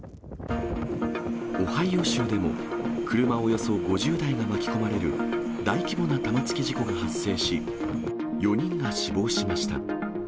オハイオ州でも、車およそ５０台が巻き込まれる大規模な玉突き事故が発生し、４人が死亡しました。